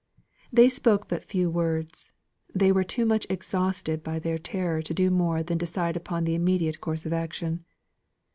They spoke but few words; they were too much exhausted by their terror to do more than decide upon the immediate course of action.